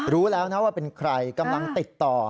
รู้แล้วนะว่าเป็นใครกำลังติดต่อ